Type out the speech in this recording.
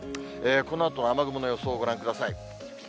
このあと、雨雲の予想をご覧ください。